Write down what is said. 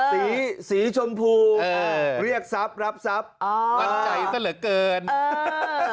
สีสีชมพูเออเรียกทรัพย์รับทรัพย์อ๋อมั่นใจซะเหลือเกิน